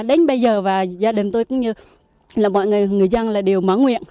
đến bây giờ và gia đình tôi cũng như là mọi người người dân là đều mở nguyện